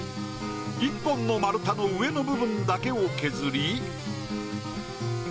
１本の丸太の上の部分だけを削り。